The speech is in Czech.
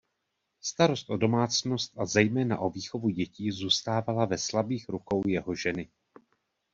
Starost o domácnost a zejména o výchovu dětí zůstala ve slabých rukou jeho ženy.